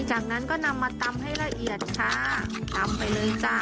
จากนั้นก็นำมาตำให้ละเอียดค่ะตำไปเลยจ้ะ